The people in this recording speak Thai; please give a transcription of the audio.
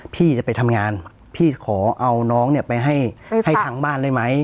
พี่จะไปทำงานพี่ขอเอาน้องเนี่ยไปให้ทางบ้านได้ไหม